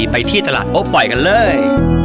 ไปที่ตลาดโอ๊ปอยกันเลย